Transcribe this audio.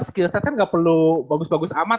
skillset kan gak perlu bagus bagus amat